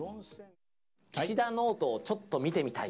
岸田ノートをちょっと見てみたい。